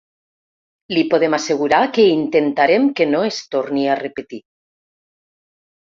Li podem assegurar que intentarem que no es torni a repetir.